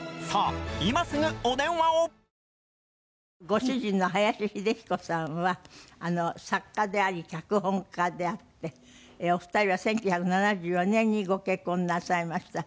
ご主人の林秀彦さんは作家であり脚本家であってお二人は１９７４年にご結婚なさいました。